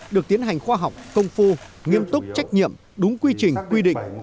được tiến hành khoa học công phu nghiêm túc trách nhiệm đúng quy trình quy định